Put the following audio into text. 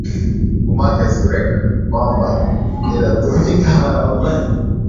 kumake sure kwamba inatumika mara moja